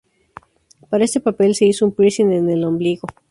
Para este papel se hizo un piercing en el ombligo.